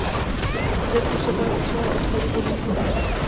Zde působil až do svého odchodu do důchodu.